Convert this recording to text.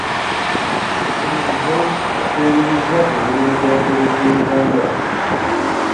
Jim Muhwezi akungirizza emirimu gy'akoledde Uganda